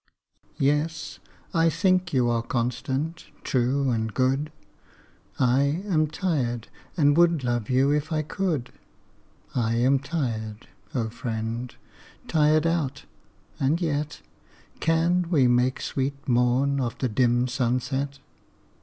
Yes; I think you are constant, true and good, I am tired, and would love you if I could; I am tired, oh, friend, tired out; and yet, Can we make sweet morn of the dim sunset?